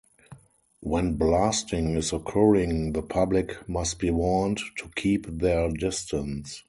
When blasting is occurring the public must be warned to keep their distance.